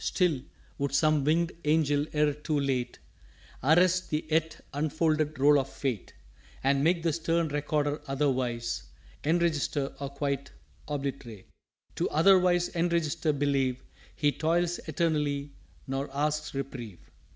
"_Still, would some winged Angel ere too late Arrest the yet unfolded roll of Fate, And make the stern Recorder otherwise Enregister, or quite obliterate!_" "To otherwise enregister believe He toils eternally, nor asks Reprieve.